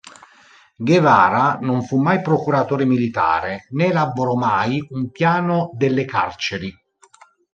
Guevara non fu mai "procuratore militare", né elaborò mai "un piano delle carceri".